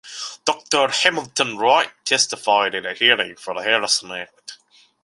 Doctor Hamilton Wright, testified at a hearing for the Harrison Act.